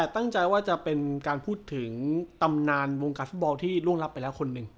ตั้งใจว่าจะเป็นการพูดถึงตำนานวงการฟุตบอลที่ล่วงรับไปแล้วคนหนึ่ง